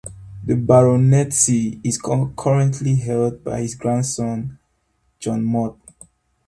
The baronetcy is currently held by his grandson, John Mott.